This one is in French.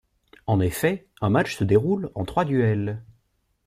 En effet, un match se déroule en trois duels.